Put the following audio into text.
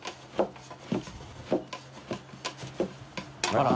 あら？